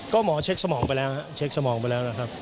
ก็หมอเช็คสมองไปแล้วนะครับ